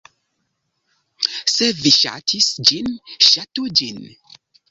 Se vi ŝatis ĝin, ŝatu ĝin!